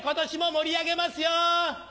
盛り上げますよ！